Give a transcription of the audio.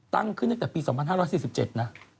ตั้งขึ้นตั้งแต่ปี๒๕๔๗นะ